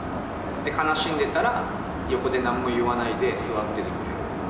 悲しんでたら、横でなんも言わないで座っていてくれる。